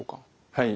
はい。